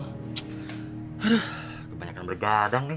aduh kebanyakan bergadang nih